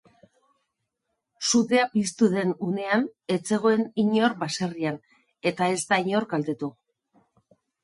Sutea piztu den unean ez zegoen inor baserrian eta ez da inor kaltetu.